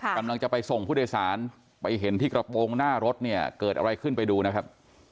กำลังจะไปส่งผู้โดยสารไปเห็นที่กระโปรงหน้ารถเนี่ยเกิดอะไรขึ้นไปดูนะครับ